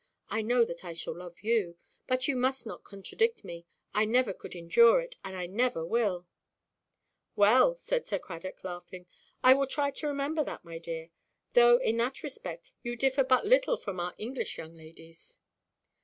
I know that I shall love you. But you must not contradict me. I never could endure it, and I never will." "Well," said Sir Cradock, laughing; "I will try to remember that, my dear. Though, in that respect, you differ but little from our English young ladies."